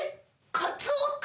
カツオ君！